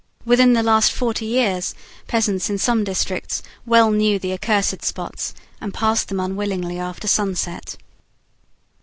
Within the last forty years, peasants, in some districts, well knew the accursed spots, and passed them unwillingly after sunset.